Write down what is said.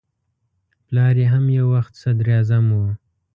پلار یې هم یو وخت صدراعظم و.